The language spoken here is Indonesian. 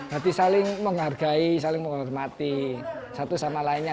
hati saling menghargai saling menghormati satu sama lainnya